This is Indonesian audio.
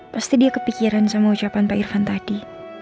pasti dia kepikiran sama ucapan pak irfan tadi